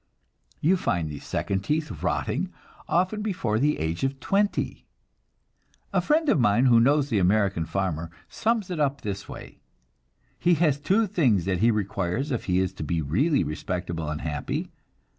You find these second teeth rotting often before the age of twenty. A friend of mine, who knows the American farmer, sums it up this way: "He has two things that he requires if he is to be really respectable and happy.